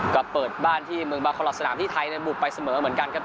ก็เปิดบ้านที่เมืองบาคอลลอทสนามที่ไทยในบุกไปเสมอเหมือนกันครับ